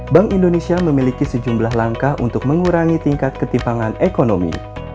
bank indonesia memiliki sejumlah langkah untuk mengurangi tingkat ketimpangan ekonomi